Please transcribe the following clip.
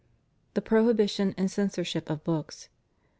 THE PROHIBITION AND CENSORSHIP OF BOOKS.